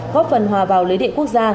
góp phần hòa vào lưới điện quốc gia